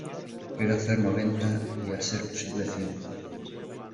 Quiero hacer noventa y, a ser posible, cien.